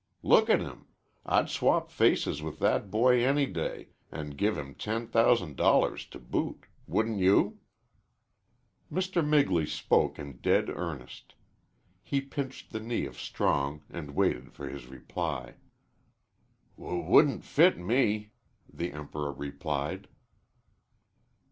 "Look at him. I'd swap faces with that boy any day and give him ten thousand dollars to boot. Wouldn't you?" Mr. Migley spoke in dead earnest. He pinched the knee of Strong and waited for his reply. "W wouldn't fit me," the Emperor replied.